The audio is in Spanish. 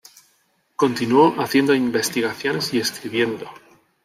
Continuó haciendo investigaciones y escribiendo.